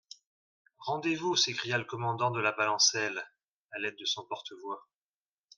Rendez-vous ! s'écria le commandant de la balancelle, à l'aide de son porte-voix.